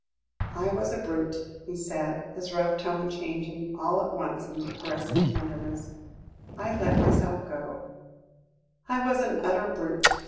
"I was a brute," he said, his rough tone changing all at once into caressing tenderness; "I let myself go I was an utter brute.